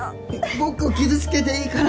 僕を傷つけていいから